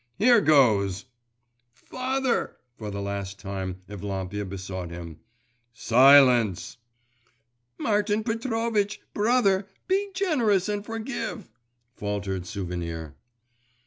… Here goes!' 'Father!' for the last time Evlampia besought him. 'Silence!' 'Martin Petrovitch! brother, be generous and forgive!' faltered Souvenir.